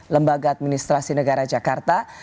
lembaga administrasi negara jakarta